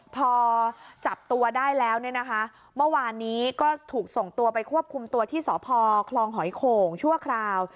พอจับตัวได้แล้วเนี่ยนะคะเมื่อวานนี้ก็ถูกส่งตัวไปควบคุมตัวที่สพคลองหอยโข่งชั่วคราว